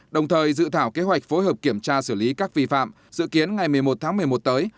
đồng thời dự thảo kế hoạch phối hợp kiểm tra xử lý các vi phạm dự kiến ngày một mươi một tháng một mươi một tới